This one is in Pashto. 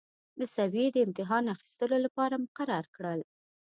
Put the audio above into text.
د سویې د امتحان اخیستلو لپاره مقرر کړل.